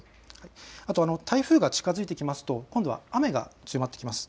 あと台風が近づいてくると今度は雨が強まってきます。